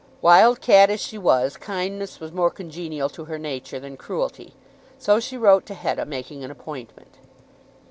Wild cat as she was, kindness was more congenial to her nature than cruelty. So she wrote to Hetta making an appointment.